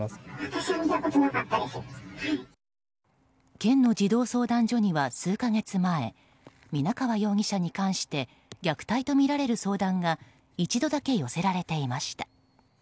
県の児童相談所には数か月前、皆川容疑者に関して虐待とみられる相談が一度だけ寄せられていました。